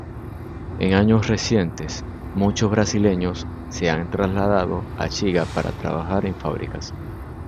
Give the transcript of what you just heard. En años recientes, muchos brasileños se han trasladado a Shiga para trabajar en fábricas.